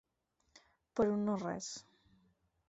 Per un no res.